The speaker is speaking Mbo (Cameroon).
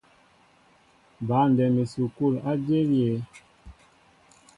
Băndɛm esukul a jȇl yé?